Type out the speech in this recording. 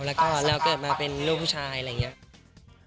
แล้วก็แล้วเกิดมาเป็นลูกผู้ชายอะไรอย่างนี้